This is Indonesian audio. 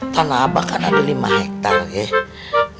tanah abah kan ada lima hektare ya